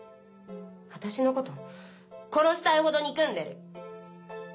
私のこと殺したいほど憎んでる。